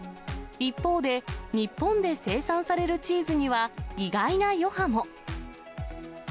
一方で、日本で生産されるチーズには、意外な余波も。